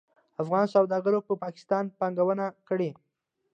افغان سوداګرو په پاکستان پانګونه کړې.